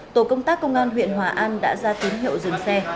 tổ công tác công an huyện hòa an đã ra tín hiệu dừng xe